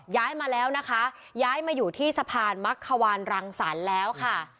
ย้ายมาแล้วนะคะย้ายมาอยู่ที่สะพานมักขวานรังสรรค์แล้วค่ะ